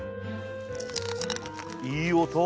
いい音！